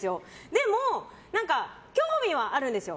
でも、興味はあるんですよ。